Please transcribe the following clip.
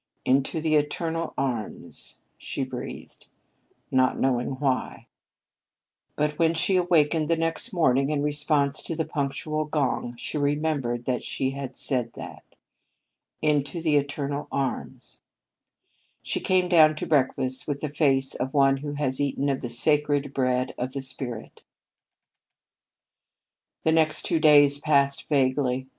"Into the Eternal Arms," she breathed, not knowing why. But when she awakened the next morning in response to the punctual gong, she remembered that she had said that. "Into the Eternal Arms." She came down to breakfast with the face of one who has eaten of the sacred bread of the spirit. The next two days passed vaguely.